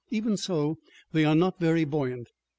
Even so, they are not very buoyant.